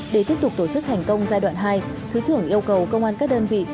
để tiếp tục tổ chức thành công giai đoạn hai thứ trưởng yêu cầu công an các đơn vị